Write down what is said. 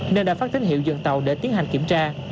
nên đã phát tín hiệu dừng tàu để tiến hành kiểm tra